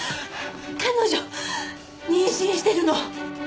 彼女妊娠してるの！